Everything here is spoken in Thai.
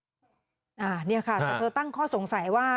อันนี้ค่ะเธอตั้งข้อสงสัยว่า